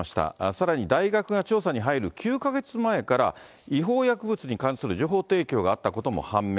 さらに大学が調査に入る９か月前から、違法薬物に関する情報提供があったことも判明。